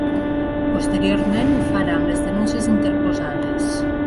Posteriorment ho farà amb les denúncies interposades.